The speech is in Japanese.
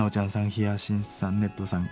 ヒヤシンスさんネットさん